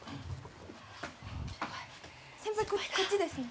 先輩こっちですね。